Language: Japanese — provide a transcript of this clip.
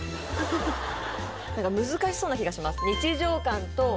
何か難しそうな気がします